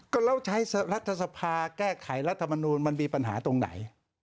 ก็แล้วใช้รัฐสภาแก้ไขรัฐมนูลมันมีปัญหาตรงไหน